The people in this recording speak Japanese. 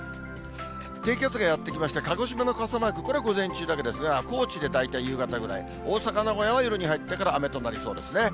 低気圧がやって来まして、鹿児島の傘マーク、これ、午前中だけですが、高知で大体夕方ぐらい、大阪、名古屋は夜に入ってから雨となりそうですね。